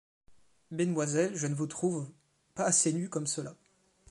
Mesdemoiselles, je ne vous trouve pas assez nues comme cela.